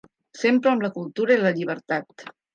Sempre amb la cultura i la llibertat.